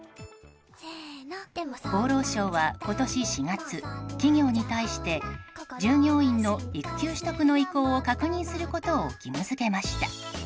厚労省は今年４月企業に対して従業員の育休取得の意向を確認することを義務付けました。